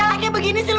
kita keluar dari sini